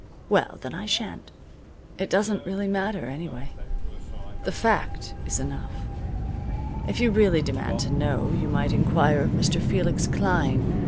Well, then I sha'n't. It doesn't really matter, anyway. The fact is enough. If you really demand to know you might inquire of Mr. Felix Klein.